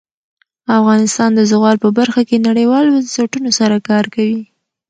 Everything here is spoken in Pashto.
افغانستان د زغال په برخه کې نړیوالو بنسټونو سره کار کوي.